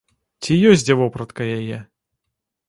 Ці ёсць дзе вопратка яе?